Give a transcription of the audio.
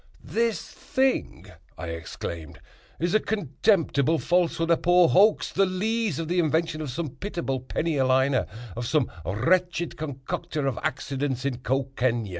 "This thing," I exclaimed, "is a contemptible falsehood—a poor hoax—the lees of the invention of some pitiable penny a liner—of some wretched concoctor of accidents in Cocaigne.